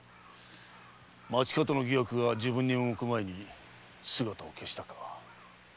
町方の疑惑が自分に向く前に姿を消したか。